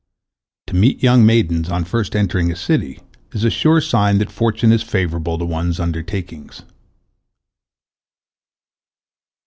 To meet young maidens on first entering a city is a sure sign that fortune is favorable to one's undertakings.